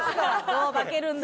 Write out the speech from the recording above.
「どう化けるんだ？」。